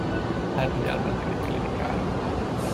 Lehet, hogy elmentek egy klinikára.